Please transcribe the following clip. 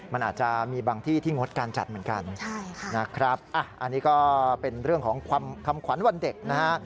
มันอาจจะมีบางที่ที่งดการจัดเหมือนกันนะครับอันนี้ก็เป็นเรื่องของคำขวัญวันเด็กนะฮะ